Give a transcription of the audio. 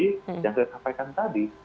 yang saya sampaikan tadi